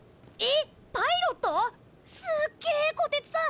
すっげえこてつさん！